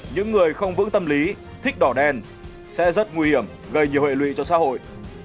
những người không vững tâm lý thích đỏ đen sẽ rất nguy hiểm gây nhiều hệ lụy cho xã hội